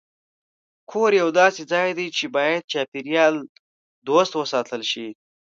کور یو داسې ځای دی چې باید چاپېریال دوست وساتل شي.